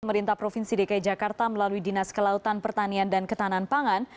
pemerintah provinsi dki jakarta melalui dinas kelautan pertanian dan ketahanan pangan